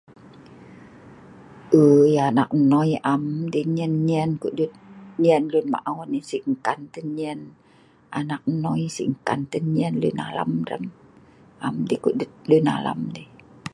Uui anak noi am deh ngen ngen kudut ngen lun maon, sii' enkan te'h ngen anak hnoi, sii' enkan ngen lun alam dei, am deh kudut lun alam dei